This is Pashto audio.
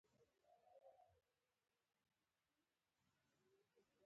پاچا له نورو مشرانو سره خبرې